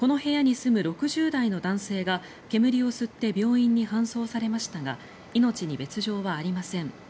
この部屋に住む６０代の男性が煙を吸って病院に搬送されましたが命に別条はありません。